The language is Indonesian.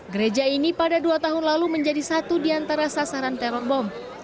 gereja ini pada dua tahun lalu menjadi satu di antara sasaran teror bom